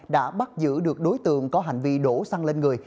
đã bắt giữ được đối tượng có hành vi đổ xăng lên người